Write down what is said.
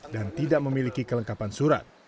dan tidak memiliki kelengkapan surat